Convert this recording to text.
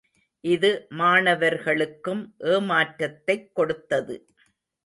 இது மாணவர்களுக்கும் ஏமாற்றத்தைக் கொடுத்தது.